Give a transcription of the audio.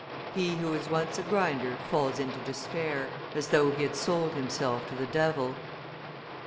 He who is once a grinder falls into despair, as though he had sold himself to the devil.